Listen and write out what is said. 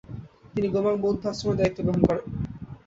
তিনি গেমাং বৌদ্ধ আশ্রমের দায়িত্ব গ্রহণ করেন।